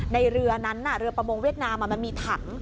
ในเรือนั้นเรือประมงเวียดนามมันมีถัง